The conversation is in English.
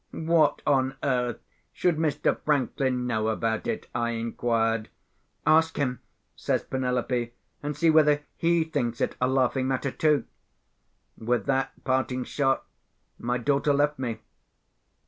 "What on earth should Mr. Franklin know about it?" I inquired. "Ask him," says Penelope. "And see whether he thinks it a laughing matter, too." With that parting shot, my daughter left me.